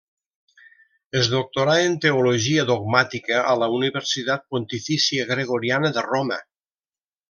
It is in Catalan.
Es doctorà en Teologia Dogmàtica a la Universitat Pontifícia Gregoriana de Roma.